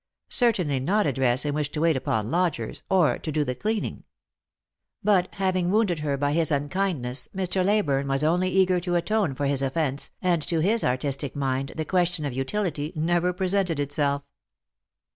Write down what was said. Certainly not a dress in which to wait upon lodgers, or do the " cleaning." But, having wounded her by his unkindness, Mr. Leyburne was only eager to atone for his offence, and to his artistic mind the question of utility never presented itself.